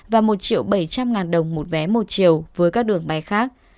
và một bảy trăm linh đồng một vé một triệu với các đường bay khác